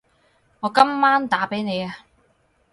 我今晚打畀你吖